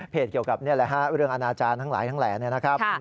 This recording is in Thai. เพจเกี่ยวกับเรื่องอาณาจารย์ทั้งหลายทั้งแหลนะครับ